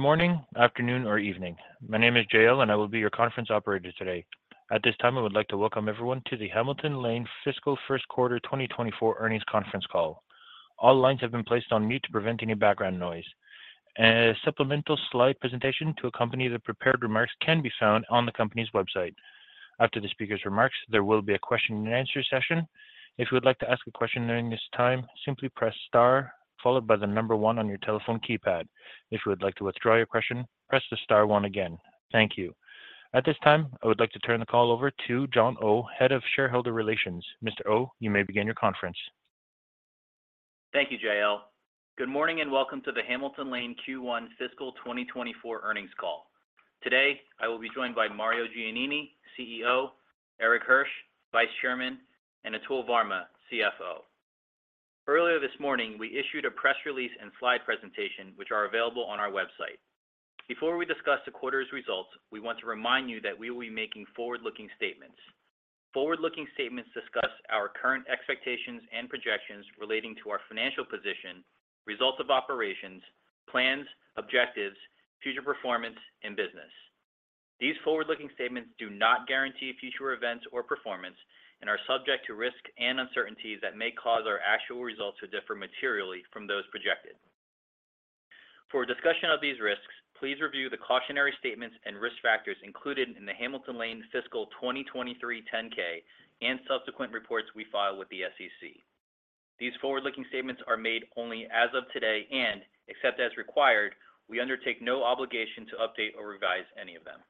Good morning, afternoon, or evening. My name is JL, and I will be your conference operator today. At this time, I would like to welcome everyone to the Hamilton Lane Q1 Fiscal 2024 Earnings Conference Call. All lines have been placed on mute to prevent any background noise. A supplemental slide presentation to accompany the prepared remarks can be found on the company's website. After the speaker's remarks, there will be a question and answer session. If you would like to ask a question during this time, simply press star, followed by the one on your telephone keypad. If you would like to withdraw your question, press the star one again. Thank you. At this time, I would like to turn the call over to John Oh, Head of Shareholder Relations. Mr. Oh, you may begin your conference. Thank you, JL. Good morning, and welcome to the Hamilton Lane Q1 fiscal 2024 earnings call. Today, I will be joined by Mario Giannini, CEO, Erik Hirsch, Vice Chairman, and Atul Varma, CFO. Earlier this morning, we issued a press release and slide presentation, which are available on our website. Before we discuss the quarter's results, we want to remind you that we will be making forward-looking statements. Forward-looking statements discuss our current expectations and projections relating to our financial position, results of operations, plans, objectives, future performance, and business. These forward-looking statements do not guarantee future events or performance and are subject to risks and uncertainties that may cause our actual results to differ materially from those projected. For a discussion of these risks, please review the cautionary statements and risk factors included in the Hamilton Lane Fiscal 2023 10-K and subsequent reports we file with the SEC. These forward-looking statements are made only as of today, and except as required, we undertake no obligation to update or revise any of them.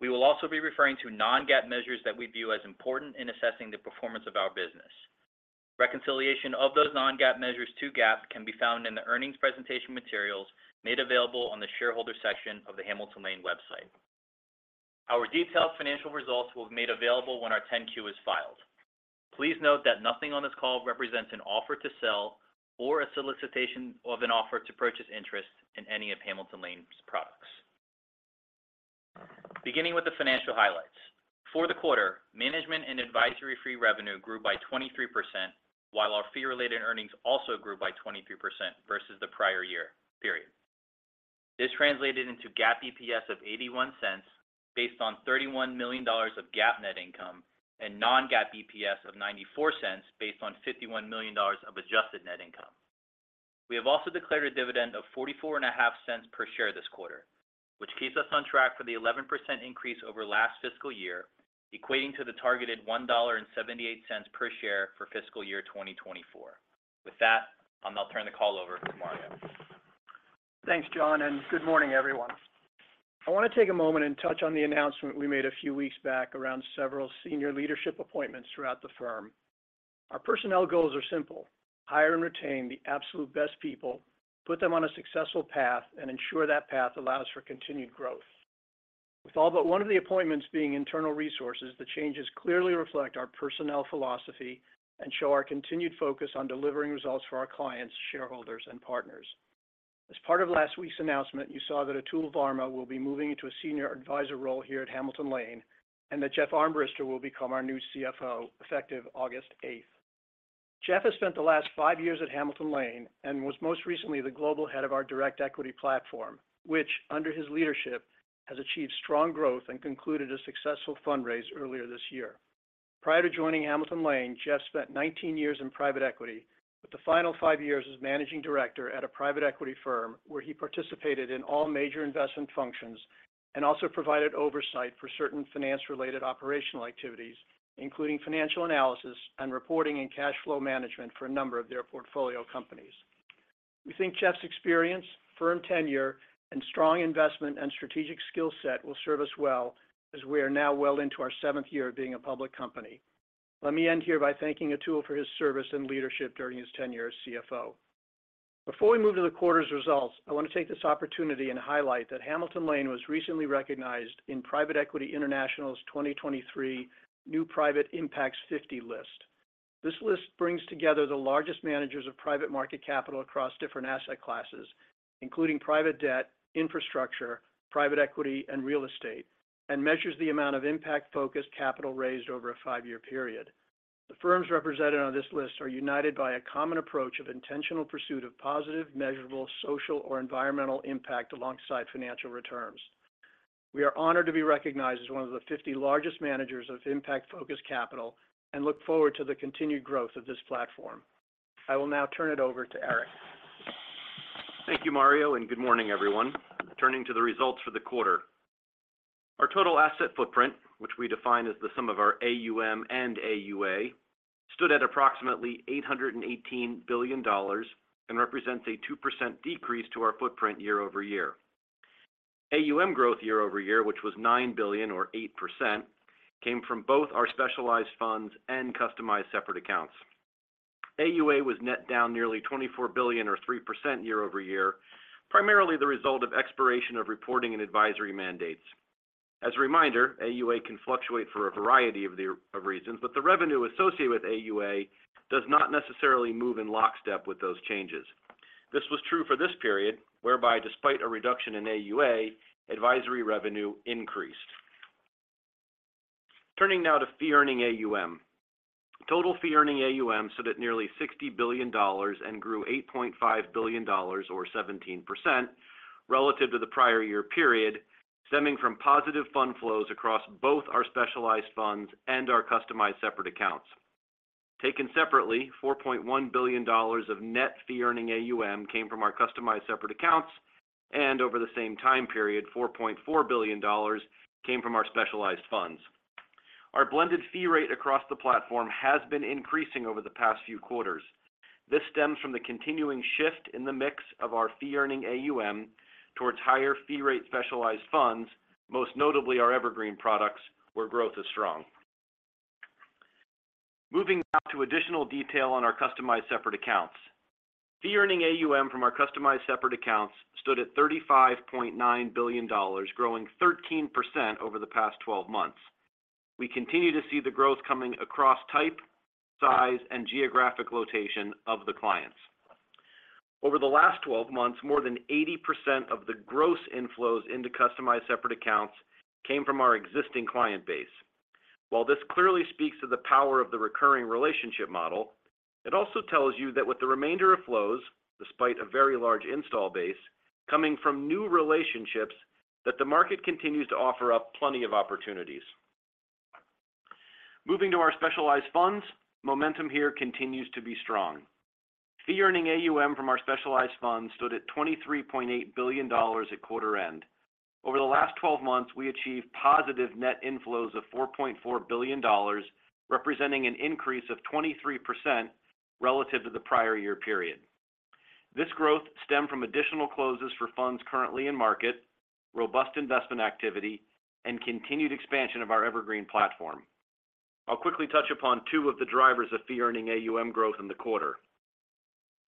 We will also be referring to non-GAAP measures that we view as important in assessing the performance of our business. Reconciliation of those non-GAAP measures to GAAP can be found in the earnings presentation materials made available on the shareholder section of the Hamilton Lane website. Our detailed financial results will be made available when our 10-Q is filed. Please note that nothing on this call represents an offer to sell or a solicitation of an offer to purchase interest in any of Hamilton Lane's products. Beginning with the financial highlights. For the quarter, management and advisory free revenue grew by 23%, while our fee-related earnings also grew by 23% versus the prior year period. This translated into GAAP EPS of $0.81, based on $31 million of GAAP net income, and non-GAAP EPS of $0.94, based on $51 million of adjusted net income. We have also declared a dividend of $0.445 per share this quarter, which keeps us on track for the 11% increase over last fiscal year, equating to the targeted $1.78 per share for fiscal year 2024. With that, I'll now turn the call over to Mario. Thanks, John. Good morning, everyone. I want to take a moment and touch on the announcement we made a few weeks back around several senior leadership appointments throughout the firm. Our personnel goals are simple: hire and retain the absolute best people, put them on a successful path, and ensure that path allows for continued growth. With all but one of the appointments being internal resources, the changes clearly reflect our personnel philosophy and show our continued focus on delivering results for our clients, shareholders, and partners. As part of last week's announcement, you saw that Atul Varma will be moving into a senior advisor role here at Hamilton Lane, and that Jeff Armbrister will become our new CFO, effective August eighth. Jeff has spent the last 5 years at Hamilton Lane and was most recently the global head of our direct equity platform, which, under his leadership, has achieved strong growth and concluded a successful fundraise earlier this year. Prior to joining Hamilton Lane, Jeff spent 19 years in private equity, with the final 5 years as managing director at a private equity firm, where he participated in all major investment functions and also provided oversight for certain finance-related operational activities, including financial analysis and reporting and cash flow management for a number of their portfolio companies. We think Jeff's experience, firm tenure, and strong investment and strategic skill set will serve us well as we are now well into our 7th year of being a public company. Let me end here by thanking Atul for his service and leadership during his tenure as CFO. Before we move to the quarter's results, I want to take this opportunity and highlight that Hamilton Lane was recently recognized in Private Equity International's 2023 New Private Impact 50 list. This list brings together the largest managers of private market capital across different asset classes, including private debt, infrastructure, private equity, and real estate, and measures the amount of impact-focused capital raised over a 5-year period. The firms represented on this list are united by a common approach of intentional pursuit of positive, measurable, social or environmental impact alongside financial returns. We are honored to be recognized as one of the 50 largest managers of impact-focused capital and look forward to the continued growth of this platform. I will now turn it over to Erik. Thank you, Mario. Good morning, everyone. Turning to the results for the quarter. Our total asset footprint, which we define as the sum of our AUM and AUA, stood at approximately $818 billion and represents a 2% decrease to our footprint year-over-year. AUM growth year-over-year, which was $9 billion or 8%, came from both our specialized funds and customized separate accounts. AUA was net down nearly $24 billion or 3% year-over-year, primarily the result of expiration of reporting and advisory mandates. As a reminder, AUA can fluctuate for a variety of reasons, but the revenue associated with AUA does not necessarily move in lockstep with those changes. This was true for this period, whereby despite a reduction in AUA, advisory revenue increased. Turning now to Fee-Earning AUM. Total Fee-Earning AUM stood at nearly $60 billion and grew $8.5 billion, or 17%, relative to the prior year period, stemming from positive fund flows across both our specialized funds and our customized separate accounts. Taken separately, $4.1 billion of net Fee-Earning AUM came from our customized separate accounts, and over the same time period, $4.4 billion came from our specialized funds. Our blended fee rate across the platform has been increasing over the past few quarters. This stems from the continuing shift in the mix of our Fee-Earning AUM towards higher fee rate specialized funds, most notably our Evergreen products, where growth is strong. Moving now to additional detail on our customized separate accounts. Fee-Earning AUM from our customized separate accounts stood at $35.9 billion, growing 13% over the past 12 months. We continue to see the growth coming across type, size, and geographic location of the clients. Over the last 12 months, more than 80% of the gross inflows into customized separate accounts came from our existing client base. While this clearly speaks to the power of the recurring relationship model, it also tells you that with the remainder of flows, despite a very large install base, coming from new relationships, that the market continues to offer up plenty of opportunities. Moving to our specialized funds, momentum here continues to be strong. Fee-Earning AUM from our specialized funds stood at $23.8 billion at quarter end. Over the last 12 months, we achieved positive net inflows of $4.4 billion, representing an increase of 23% relative to the prior year period. This growth stemmed from additional closes for funds currently in market, robust investment activity, and continued expansion of our Evergreen platform. I'll quickly touch upon two of the drivers of Fee-Earning AUM growth in the quarter.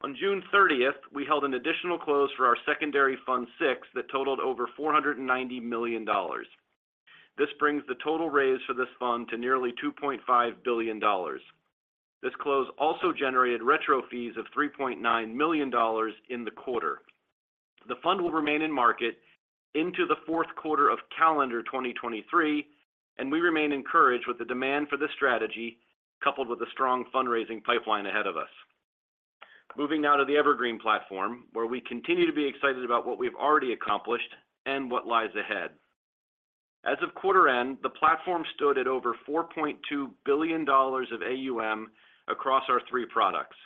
On June 30, we held an additional close for our Secondary Fund VI that totaled over $490 million. This brings the total raise for this fund to nearly $2.5 billion. This close also generated retrocession fees of $3.9 million in the quarter. The fund will remain in market into the fourth quarter of calendar 2023, and we remain encouraged with the demand for this strategy, coupled with a strong fundraising pipeline ahead of us. Moving now to the Evergreen platform, where we continue to be excited about what we've already accomplished and what lies ahead. As of quarter end, the platform stood at over $4.2 billion of AUM across our 3 products.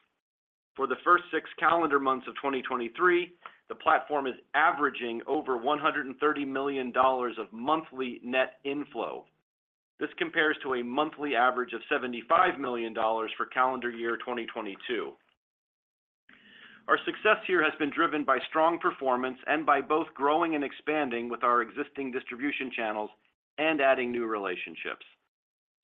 For the first 6 calendar months of 2023, the platform is averaging over $130 million of monthly net inflow. This compares to a monthly average of $75 million for calendar year 2022. Our success here has been driven by strong performance and by both growing and expanding with our existing distribution channels and adding new relationships.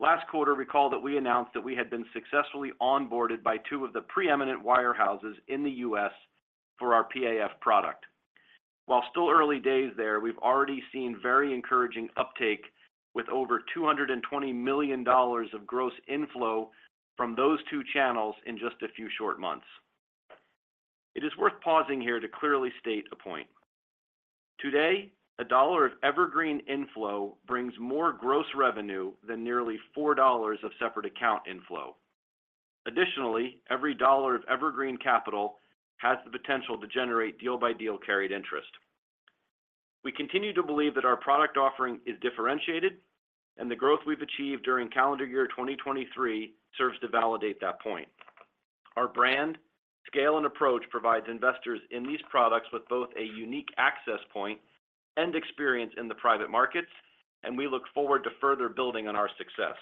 Last quarter, recall that we announced that we had been successfully onboarded by 2 of the preeminent wirehouses in the U.S. for our PAF product. While still early days there, we've already seen very encouraging uptake, with over $220 million of gross inflow from those 2 channels in just a few short months. It is worth pausing here to clearly state a point. Today, $1 of Evergreen inflow brings more gross revenue than nearly $4 of separate account inflow. Additionally, every $1 of Evergreen capital has the potential to generate deal-by-deal carried interest. We continue to believe that our product offering is differentiated. The growth we've achieved during calendar year 2023 serves to validate that point. Our brand, scale, and approach provides investors in these products with both a unique access point and experience in the private markets. We look forward to further building on our success.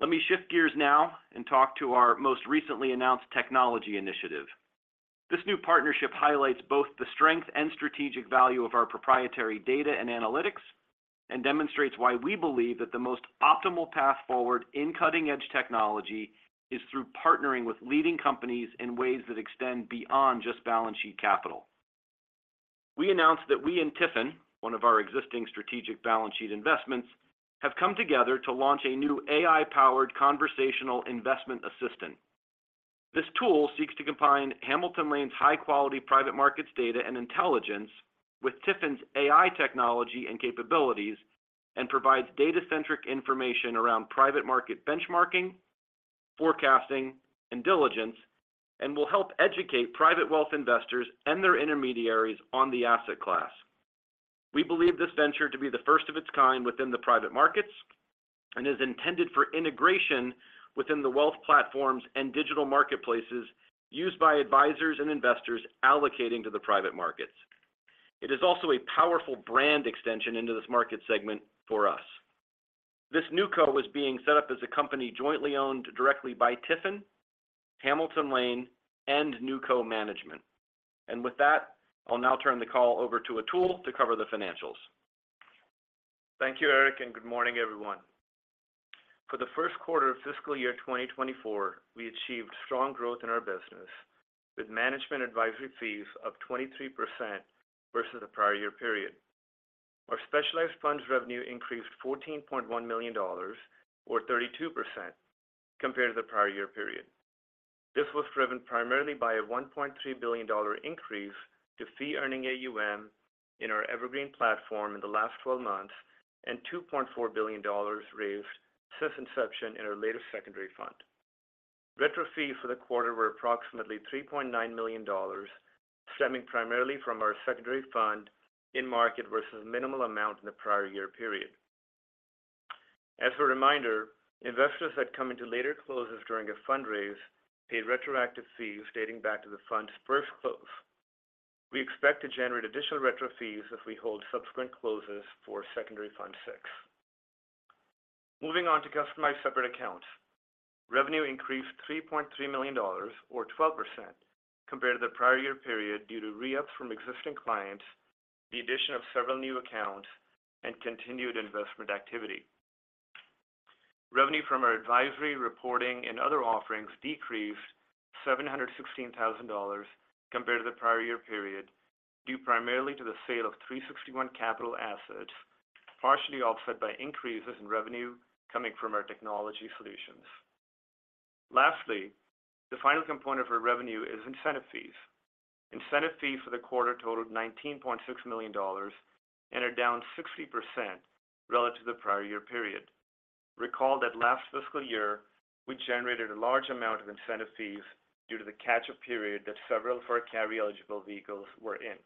Let me shift gears now and talk to our most recently announced technology initiative. This new partnership highlights both the strength and strategic value of our proprietary data and analytics. Demonstrates why we believe that the most optimal path forward in cutting-edge technology is through partnering with leading companies in ways that extend beyond just balance sheet capital. We announced that we and TIFIN, one of our existing strategic balance sheet investments, have come together to launch a new AI-powered conversational investment assistant. This tool seeks to combine Hamilton Lane's high-quality private markets data and intelligence with TIFIN's AI technology and capabilities, and provides data-centric information around private market benchmarking, forecasting, and diligence, and will help educate private wealth investors and their intermediaries on the asset class. We believe this venture to be the first of its kind within the private markets and is intended for integration within the wealth platforms and digital marketplaces used by advisors and investors allocating to the private markets. It is also a powerful brand extension into this market segment for us. This NewCo is being set up as a company jointly owned directly by TIFIN, Hamilton Lane, and NewCo Management. With that, I'll now turn the call over to Atul to cover the financials. Thank you, Erik. Good morning, everyone. For the first quarter of fiscal year 2024, we achieved strong growth in our business, with management advisory fees up 23% versus the prior year period. Our specialized funds revenue increased $14.1 million, or 32%, compared to the prior year period. This was driven primarily by a $1.3 billion increase to Fee-Earning AUM in our Evergreen platform in the last 12 months, and $2.4 billion raised since inception in our latest Secondary Fund. Retrocession fees for the quarter were approximately $3.9 million, stemming primarily from our Secondary Fund in market versus minimal amount in the prior year period. As a reminder, investors that come into later closes during a fundraise, pay retroactive fees dating back to the fund's first close. We expect to generate additional retrocession fees as we hold subsequent closes for Secondary Fund VI. Moving on to customized separate accounts. Revenue increased $3.3 million, or 12% compared to the prior-year period, due to re-ups from existing clients, the addition of several new accounts, and continued investment activity. Revenue from our advisory, reporting, and other offerings decreased $716,000 compared to the prior-year period, due primarily to the sale of 361 Capital assets, partially offset by increases in revenue coming from our technology solutions. Lastly, the final component of our revenue is incentive fees. Incentive fees for the quarter totaled $19.6 million and are down 60% relative to the prior-year period. Recall that last fiscal year, we generated a large amount of incentive fees due to the catch-up period that several of our carry-eligible vehicles were in.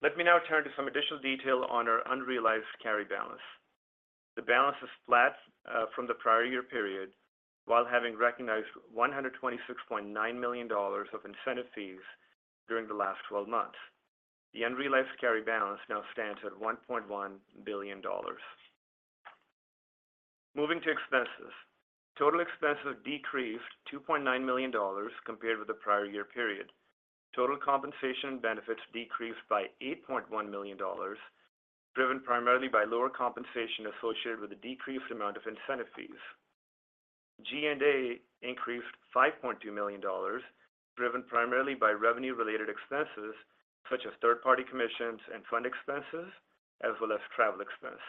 Let me now turn to some additional detail on our unrealized carry balance. The balance is flat from the prior year period, while having recognized $126.9 million of incentive fees during the last twelve months. The unrealized carry balance now stands at $1.1 billion. Moving to expenses. Total expenses decreased $2.9 million compared with the prior year period. Total compensation benefits decreased by $8.1 million, driven primarily by lower compensation associated with the decreased amount of incentive fees. G&A increased $5.2 million, driven primarily by revenue-related expenses such as third-party commissions and fund expenses, as well as travel expense.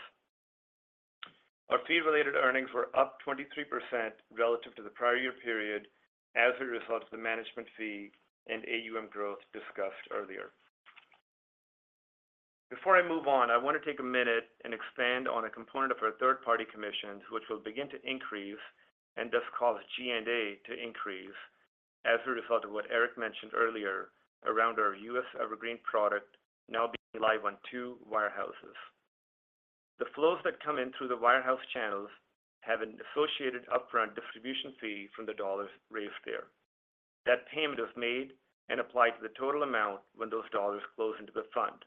Our fee-related earnings were up 23% relative to the prior year period as a result of the management fee and AUM growth discussed earlier. Before I move on, I want to take a minute and expand on a component of our third-party commissions, which will begin to increase and thus cause G&A to increase as a result of what Erik mentioned earlier around our U.S. Evergreen product now being live on two wirehouses. The flows that come in through the wirehouse channels have an associated upfront distribution fee from the dollars raised there. That payment is made and applied to the total amount when those dollars close into the fund.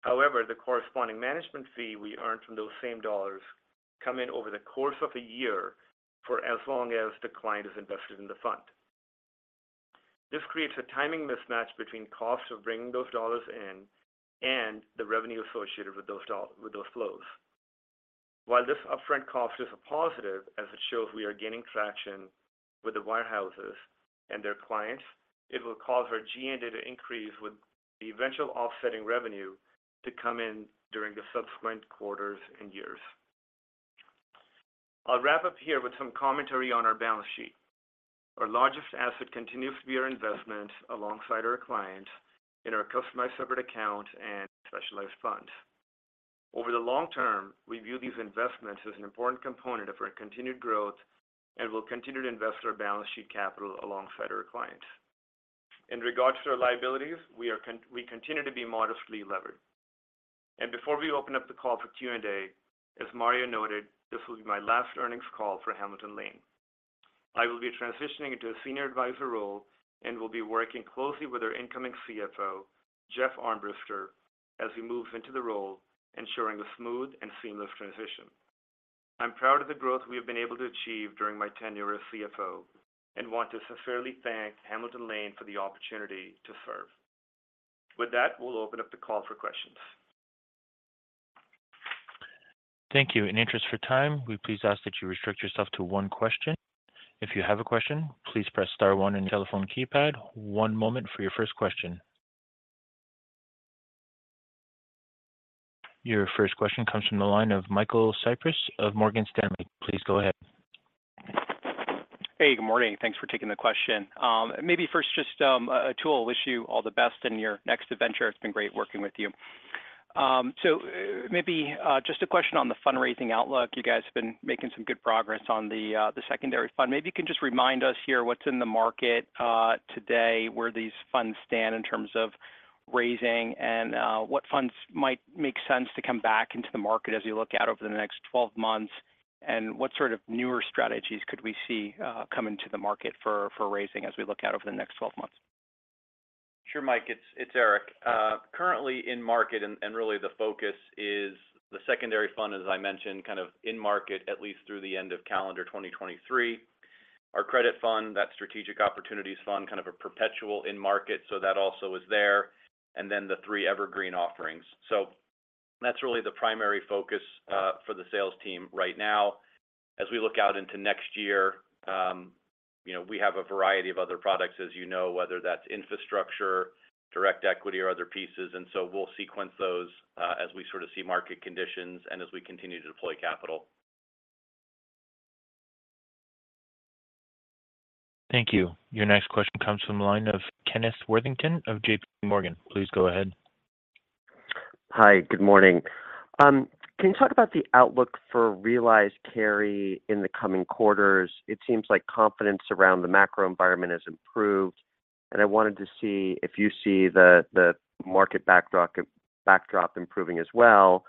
However, the corresponding management fee we earn from those same dollars come in over the course of a year for as long as the client is invested in the fund. This creates a timing mismatch between costs of bringing those dollars in and the revenue associated with those flows. While this upfront cost is a positive, as it shows we are gaining traction with the wirehouses and their clients, it will cause our G&A to increase, with the eventual offsetting revenue to come in during the subsequent quarters and years. I'll wrap up here with some commentary on our balance sheet. Our largest asset continues to be our investment alongside our clients in our customized separate account and specialized funds. Over the long term, we view these investments as an important component of our continued growth and will continue to invest our balance sheet capital alongside our clients. In regards to our liabilities, we continue to be modestly levered. Before we open up the call for Q&A, as Mario noted, this will be my last earnings call for Hamilton Lane. I will be transitioning into a senior advisor role and will be working closely with our incoming CFO, Jeff Armbruster, as he moves into the role, ensuring a smooth and seamless transition. I'm proud of the growth we have been able to achieve during my tenure as CFO and want to sincerely thank Hamilton Lane for the opportunity to serve. With that, we'll open up the call for questions. Thank you. In interest for time, we please ask that you restrict yourself to one question. If you have a question, please press star one on your telephone keypad. One moment for your first question. Your first question comes from the line of Michael Cyprys of Morgan Stanley. Please go ahead. Good morning. Thanks for taking the question. Maybe first, just Atul, wish you all the best in your next adventure. It's been great working with you. Maybe just a question on the fundraising outlook. You guys have been making some good progress on the secondary fund. Maybe you can just remind us here what's in the market today, where these funds stand in terms of raising, and what funds might make sense to come back into the market as you look out over the next 12 months, and what newer strategies could we see come into the market for, for raising as we look out over the next 12 months? Sure, Mike, it's Erik. Currently in market and, and really the focus is the Secondary Fund, as I mentioned, in market at least through the end of calendar 2023. Our credit fund, that Strategic Opportunities Fund, a perpetual in market, so that also is there, and then the three Evergreen offerings. So that's really the primary focus for the sales team right now. As we look out into next year, we have a variety of other products, whether that's infrastructure, direct equity, or other pieces, and so we'll sequence those as we see market conditions and as we continue to deploy capital. Thank you. Your next question comes from the line of Kenneth Worthington of JP Morgan. Please go ahead. Hi, good morning. Can you talk about the outlook for realized carry in the coming quarters? It seems like confidence around the macro environment has improved, and I wanted to see if you see the market backdrop improving as well.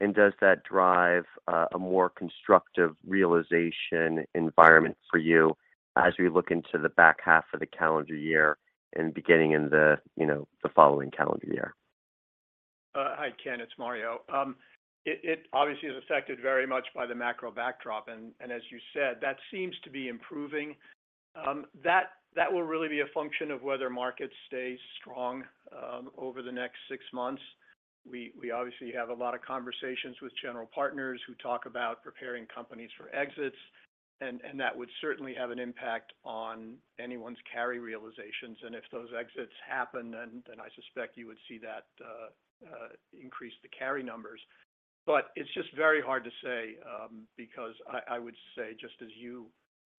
And does that drive a more constructive realization environment for you as we look into the back half of the calendar year and beginning in the, the following calendar year? Hi, Ken, it's Mario. It, it obviously is affected very much by the macro backdrop, and as you said, that seems to be improving. That, that will really be a function of whether markets stay strong over the next 6 months. We, we obviously have a lot of conversations with general partners who talk about preparing companies for exits, and that would certainly have an impact on anyone's carry realizations. If those exits happen, then, then I suspect you would see that increase the carry numbers. It's just very hard to say, because I, I would say, just as you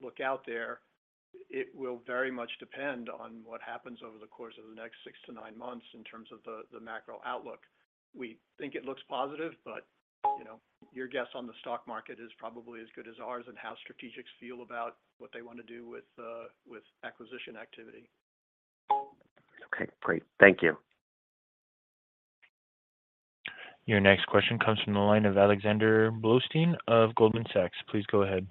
look out there, it will very much depend on what happens over the course of the next 6-9 months in terms of the, the macro outlook. We think it looks positive, but, your guess on the stock market is probably as good as ours, and how strategics feel about what they want to do with acquisition activity. Okay, great. Thank you. Your next question comes from the line of Alexander Blostein of Goldman Sachs. Please go ahead.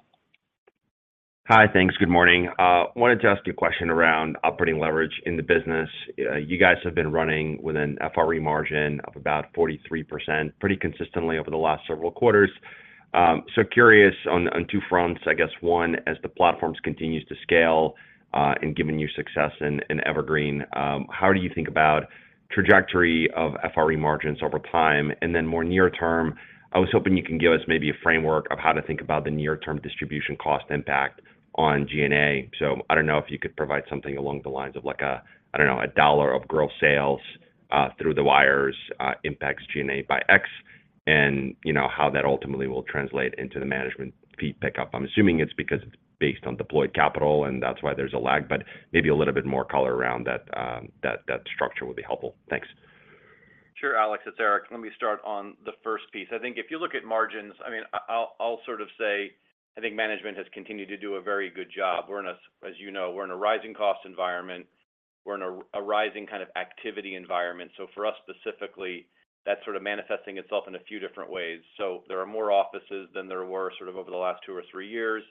Hi, thanks. Good morning. Wanted to ask you a question around operating leverage in the business. You guys have been running with an FRE margin of about 43% pretty consistently over the last several quarters. So curious on, on 2 fronts, I guess 1, as the platforms continues to scale, and giving you success in, in Evergreen, how do you think about trajectory of FRE margins over time? And then more near term, I was hoping you can give us maybe a framework of how to think about the near term distribution cost impact on G&A. So I don't know if you could provide something along the lines of like a, I don't know, a $1 of gross sales, through the wirehouses, impacts G&A by X, and, how that ultimately will translate into the management fee pickup. I'm assuming it's because it's based on deployed capital, and that's why there's a lag, but maybe a little bit more color around that structure would be helpful. Thanks. Sure, Alex, it's Erik. Let me start on the first piece. I think if you look at margins, I mean, I'll, I'll say, I think management has continued to do a very good job. We're in a, as we're in a rising cost environment, we're in a, a rising kind of activity environment. For us, specifically, that's manifesting itself in a few different ways. There are more offices than there were over the last two or three years.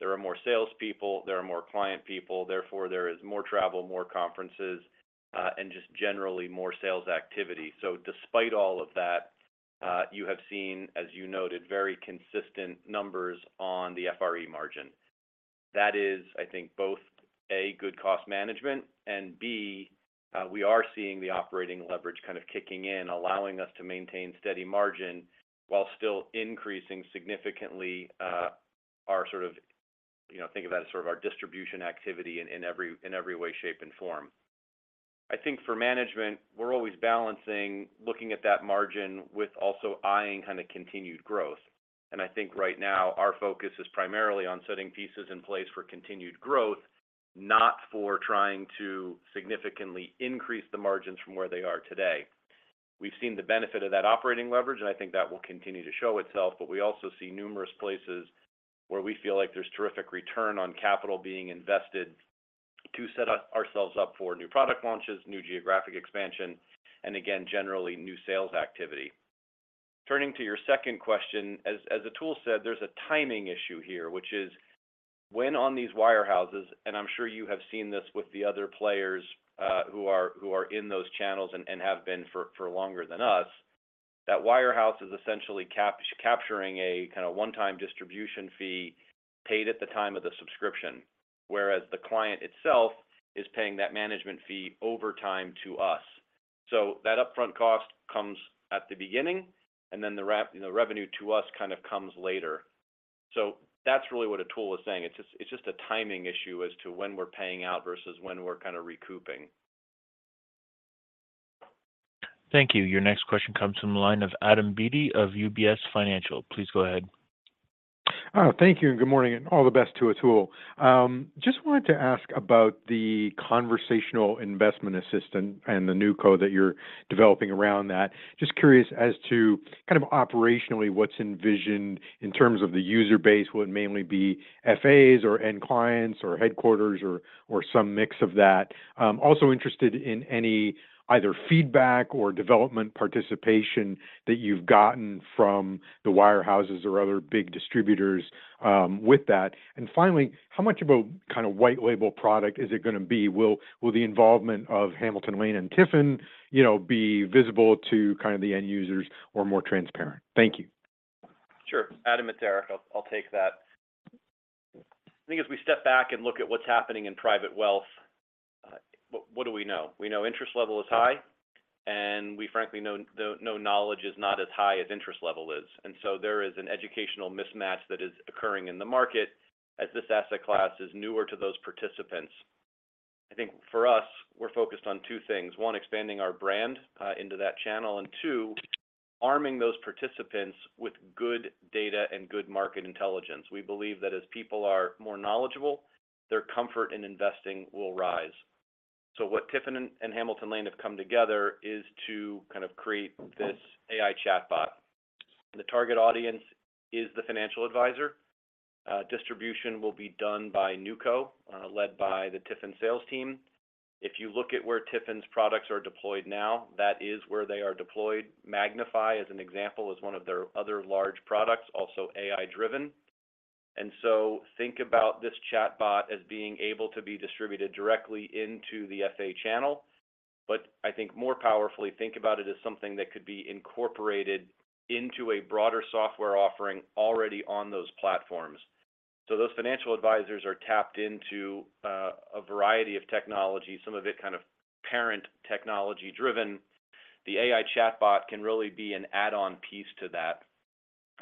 There are more salespeople, there are more client people, therefore, there is more travel, more conferences, and just generally more sales activity. Despite all of that, you have seen, as you noted, very consistent numbers on the FRE margin. That is, I think, both, A, good cost management, and B, we are seeing the operating leverage kind of kicking in, allowing us to maintain steady margin while still increasing significantly, think of that as our distribution activity in, in every, in every way, shape, and form. I think for management, we're always balancing, looking at that margin with also eyeing kind of continued growth. I think right now our focus is primarily on setting pieces in place for continued growth, not for trying to significantly increase the margins from where they are today. We've seen the benefit of that operating leverage, and I think that will continue to show itself, but we also see numerous places where we feel like there's terrific return on capital being invested to set up ourselves up for new product launches, new geographic expansion, and again, generally new sales activity. Turning to your second question, as, as Atul said, there's a timing issue here, which is when on these wirehouses, and I'm sure you have seen this with the other players, who are, who are in those channels and, and have been for, for longer than us, that wirehouse is essentially capturing a kind of one-time distribution fee paid at the time of the subscription, whereas the client itself is paying that management fee over time to us. That upfront cost comes at the beginning, and then the revenue to us kind of comes later. That's really what Atul was saying. It's just, it's just a timing issue as to when we're paying out versus when we're kind of recouping. Thank you. Your next question comes from the line of Adam Beatty of UBS Financial. Please go ahead. Thank you, and good morning, and all the best to Atul. Just wanted to ask about the conversational investment assistant and the NewCo that you're developing around that. Just curious as to kind of operationally, what's envisioned in terms of the user base, would it mainly be FAs or, end clients or headquarters or, or some mix of that? Also interested in any either feedback or development participation that you've gotten from the wirehouses or other big distributors, with that. Finally, how much of a kind of white label product is it gonna be? Will the involvement of Hamilton Lane and TIFIN, be visible to kind of the end users or more transparent? Thank you. Sure. Adam, it's Erik. I'll, I'll take that. I think as we step back and look at what's happening in private wealth, what do we know? We know interest level is high, and we frankly know knowledge is not as high as interest level is. There is an educational mismatch that is occurring in the market as this asset class is newer to those participants. I think for us, we're focused on two things. One, expanding our brand into that channel, and two, arming those participants with good data and good market intelligence. We believe that as people are more knowledgeable, their comfort in investing will rise. What TIFIN and Hamilton Lane have come together is to kind of create this AI chatbot, and the target audience is the financial advisor. Distribution will be done by NewCo, led by the TIFIN sales team. If you look at where TIFIN's products are deployed now, that is where they are deployed. Magnifi, as an example, is one of their other large products, also AI-driven. Think about this chatbot as being able to be distributed directly into the FA channel. I think more powerfully, think about it as something that could be incorporated into a broader software offering already on those platforms. Those financial advisors are tapped into a variety of technology, some of it kind of parent technology-driven. The AI chatbot can really be an add-on piece to that.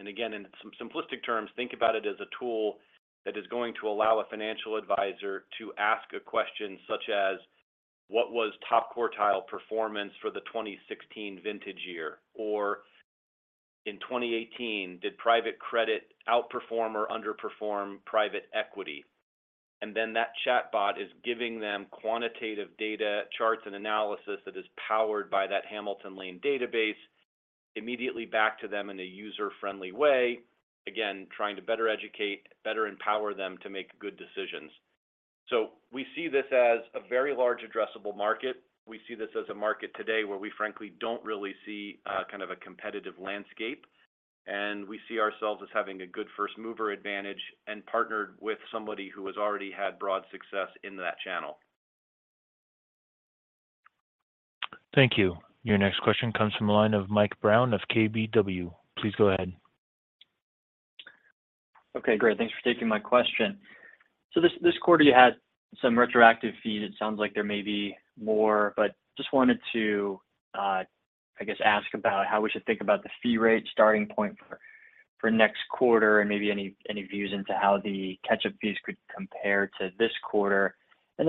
Again, in some simplistic terms, think about it as a tool that is going to allow a financial advisor to ask a question such as, "What was top quartile performance for the 2016 vintage year?" In 2018, did private credit outperform or underperform private equity? That chatbot is giving them quantitative data, charts, and analysis that is powered by that Hamilton Lane database, immediately back to them in a user-friendly way, again, trying to better educate, better empower them to make good decisions. We see this as a very large addressable market. We see this as a market today where we frankly don't really see kind of a competitive landscape, and we see ourselves as having a good first-mover advantage and partnered with somebody who has already had broad success in that channel. Thank you. Your next question comes from the line of Michael Brown of KBW. Please go ahead. Okay, great. Thanks for taking my question. This, this quarter, you had some retroactive fees. It sounds like there may be more, but just wanted to, I guess, ask about how we should think about the fee rate starting point for, for next quarter, and maybe any, any views into how the catch-up fees could compare to this quarter.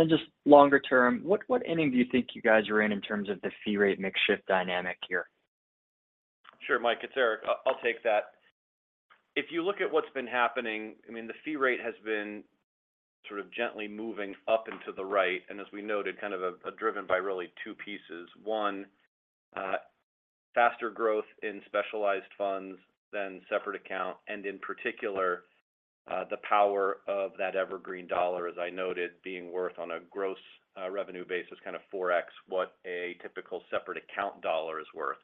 Just longer term, what, what inning do you think you guys are in in terms of the fee rate mix shift dynamic here? Sure, Mike, it's Erik. I, I'll take that. If you look at what's been happening, I mean, the fee rate has been gently moving up into the right, as we noted, kind of, driven by really two pieces. One, faster growth in specialized funds than separate account, and in particular, the power of that Evergreen dollar, as I noted, being worth on a gross revenue basis, kind of 4x what a typical separate account dollar is worth.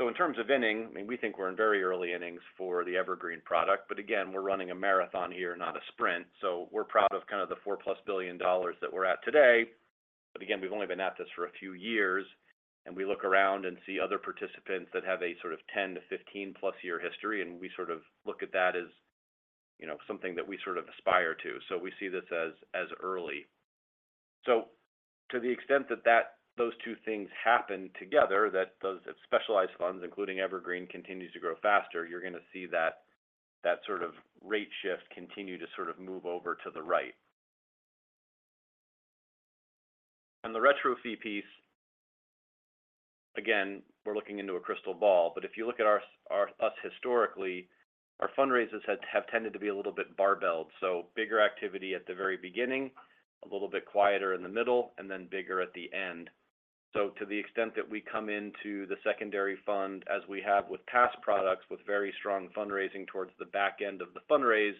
In terms of inning, I mean, we think we're in very early innings for the Evergreen product, but again, we're running a marathon here, not a sprint. We're proud of kind of the $4+ billion that we're at today. Again, we've only been at this for a few years, and we look around and see other participants that have a 10-15+ year history, and we look at that as, something that we aspire to. We see this as, as early. To the extent that those two things happen together, that those specialized funds, including Evergreen, continues to grow faster, you're gonna see that, that rate shift continue to move over to the right. On the retro fee piece, again, we're looking into a crystal ball, but if you look at our us historically, our fundraisers have tended to be a little bit barbelled. Bigger activity at the very beginning, a little bit quieter in the middle, and then bigger at the end. To the extent that we come into the secondary fund, as we have with past products, with very strong fundraising towards the back end of the fundraise,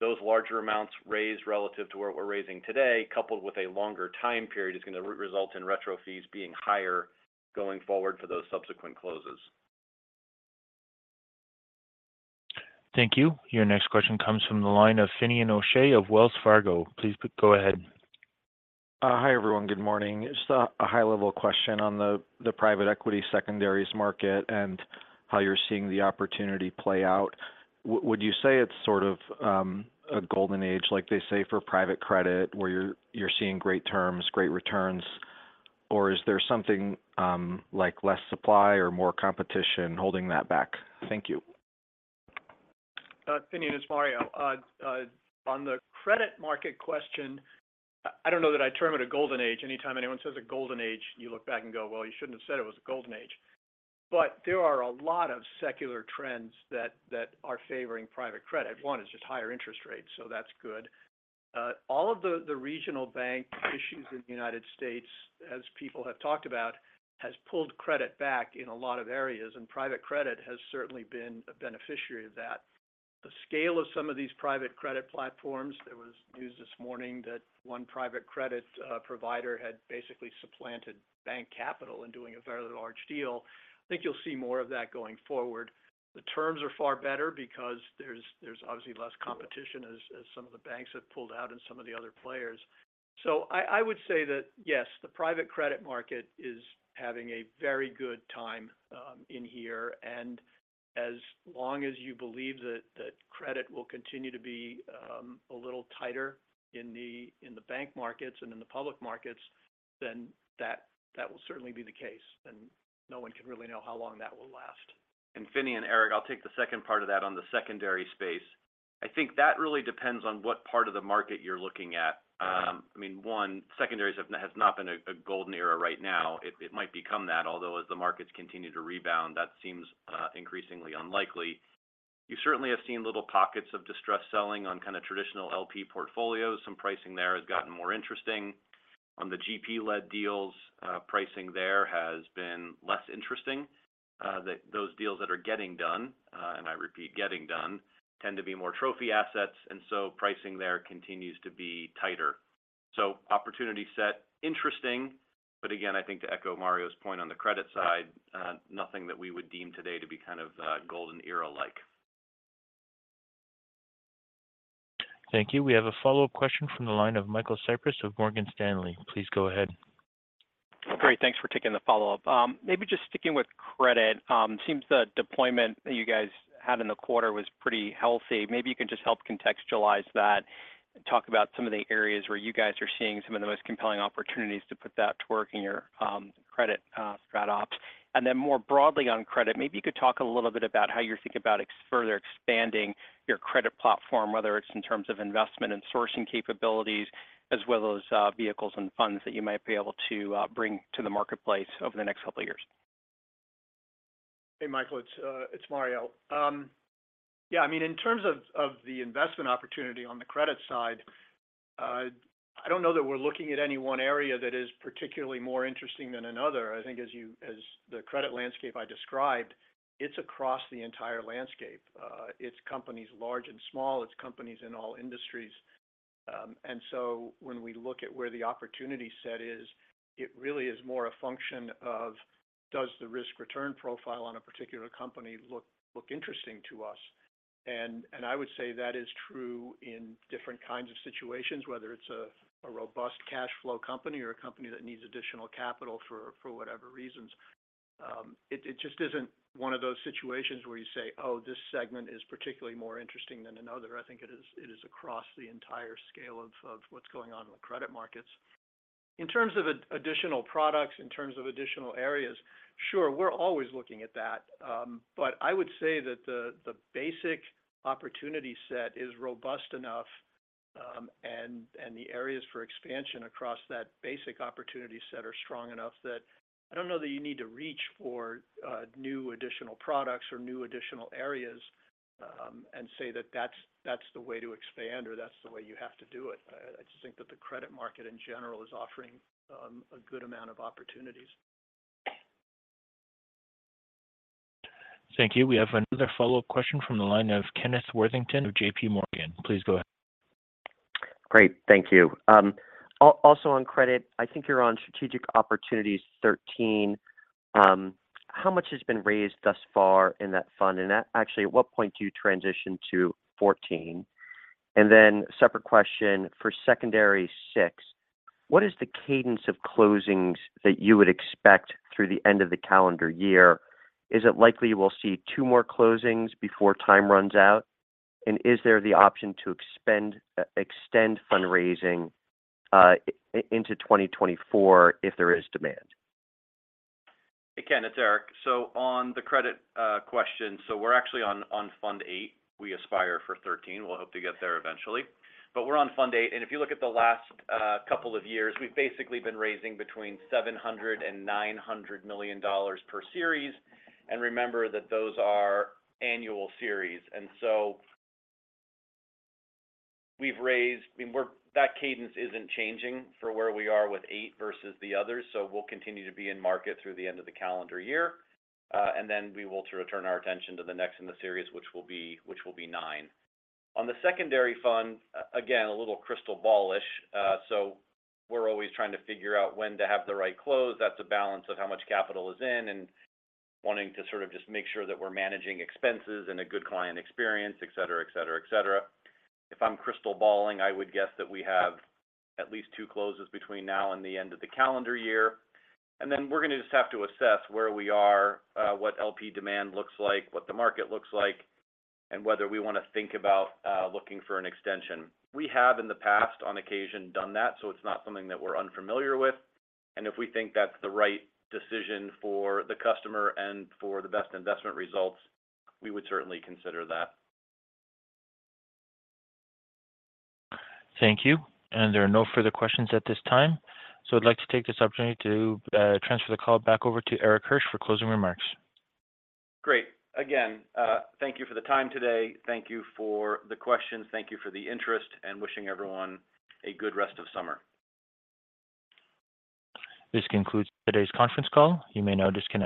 those larger amounts raised relative to what we're raising today, coupled with a longer time period, is gonna result in retrocession fees being higher going forward for those subsequent closes. Thank you. Your next question comes from the line of Finian O'Shea of Wells Fargo. Please go ahead. Hi, everyone. Good morning. Just a, a high-level question on the, the private equity secondaries market and how you're seeing the opportunity play out. Would you say it's a golden age, like they say, for private credit, where you're, you're seeing great terms, great returns? Or is there something like less supply or more competition holding that back? Thank you. Finian, it's Mario. On the credit market question, I, I don't know that I'd term it a golden age. Anytime anyone says a golden age, you look back and go, "Well, you shouldn't have said it was a golden age." There are a lot of secular trends that, that are favoring private credit. One is just higher interest rates, so that's good. All of the, the regional bank issues in the United States, as people have talked about, has pulled credit back in a lot of areas, and private credit has certainly been a beneficiary of that. The scale of some of these private credit platforms, there was news this morning that one private credit provider had basically supplanted bank capital in doing a fairly large deal. I think you'll see more of that going forward. The terms are far better because there's obviously less competition as some of the banks have pulled out and some of the other players. I, I would say that, yes, the private credit market is having a very good time, in here, and as long as you believe that credit will continue to be a little tighter in the, in the bank markets and in the public markets, that will certainly be the case, and no one can really know how long that will last. Finian and Eric, I'll take the second part of that on the secondary space. I think that depends on what part of the market you're looking at. I mean, one, secondaries has not been a, a golden era right now. It, it might become that, although as the markets continue to rebound, that seems increasingly unlikely. You certainly have seen little pockets of distressed selling on kind of traditional LP portfolios. Some pricing there has gotten more interesting. On the GP-led deals, pricing there has been less interesting. That those deals that are getting done, and I repeat, getting done, tend to be more trophy assets, and so pricing there continues to be tighter. Opportunity set, interesting, but again, I think to echo Mario's point on the credit side, nothing that we would deem today to be kind of, golden era-like. Thank you. We have a follow-up question from the line of Michael Cyprys of Morgan Stanley. Please go ahead. Great, thanks for taking the follow-up. Maybe just sticking with credit, seems the deployment that you guys had in the quarter was pretty healthy. Maybe you can just help contextualize that and talk about some of the areas where you guys are seeing some of the most compelling opportunities to put that to work in your credit, Strategic Opportunities. More broadly on credit, maybe you could talk a little bit about how you think about ex- further expanding your credit platform, whether it's in terms of investment and sourcing capabilities, as well as vehicles and funds that you might be able to bring to the marketplace over the next couple of years. Hey, Michael, it's, it's Mario. Yeah, I mean, in terms of, of the investment opportunity on the credit side, I don't know that we're looking at any one area that is particularly more interesting than another. I think as the credit landscape I described, it's across the entire landscape. It's companies large and small, it's companies in all industries. So when we look at where the opportunity set is, it really is more a function of, does the risk-return profile on a particular company look, look interesting to us? I would say that is true in different kinds of situations, whether it's a, a robust cash flow company or a company that needs additional capital for, for whatever reasons. It, it just isn't one of those situations where you say, "Oh, this segment is particularly more interesting than another." I think it is, it is across the entire scale of, of what's going on in the credit markets. In terms of additional products, in terms of additional areas, sure, we're always looking at that. I would say that the, the basic opportunity set is robust enough, and, and the areas for expansion across that basic opportunity set are strong enough that I don't know that you need to reach for new additional products or new additional areas, and say that that's, that's the way to expand or that's the way you have to do it. I, I just think that the credit market in general is offering a good amount of opportunities. Thank you. We have another follow-up question from the line of Kenneth Worthington of JP Morgan. Please go ahead. Great, thank you. Also on credit, I think you're on Strategic Opportunities 13. How much has been raised thus far in that fund? Actually, at what point do you transition to 14? Separate question, for Secondary Fund VI, what is the cadence of closings that you would expect through the end of the calendar year? Is it likely we'll see two more closings before time runs out? Is there the option to expend, extend fundraising, into 2024 if there is demand? Ken, it's Eric. On the credit question, we're actually on Fund VIII. We aspire for XIII. We'll hope to get there eventually, we're on Fund VIII. If you look at the last couple of years, we've basically been raising between $700 million-$900 million per series. Remember that those are annual series. So we've raised- we're-- that cadence isn't changing for where we are with VIII versus the others, so we'll continue to be in market through the end of the calendar year. Then we will turn our attention to the next in the series, which will be IX. On the secondary fund, again, a little crystal. We're always trying to figure out when to have the right close. That's a balance of how much capital is in and wanting to just make sure that we're managing expenses and a good client experience, etc. If I'm crystal balling, I would guess that we have at least 2 closes between now and the end of the calendar year. Then we're gonna just have to assess where we are, what LP demand looks like, what the market looks like, and whether we want to think about looking for an extension. We have in the past, on occasion, done that, so it's not something that we're unfamiliar with. If we think that's the right decision for the customer and for the best investment results, we would certainly consider that. Thank you. There are no further questions at this time, so I'd like to take this opportunity to transfer the call back over to Erik Hirsch for closing remarks. Great. Again, thank you for the time today. Thank you for the questions. Thank you for the interest, and wishing everyone a good rest of summer. This concludes today's conference call. You may now disconnect.